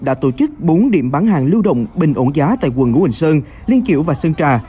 đã tổ chức bốn điểm bán hàng lưu động bình ổn giá tại quần ngũ quỳnh sơn liên kiểu và sơn trà